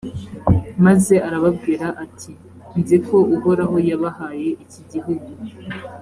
maze arababwira ati «nzi ko uhoraho yabahaye iki gihugu,